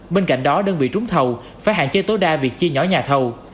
bên cạnh đó đơn vị trúng thầu phải hạn chế tối đa việc chia nhỏ nhà thầu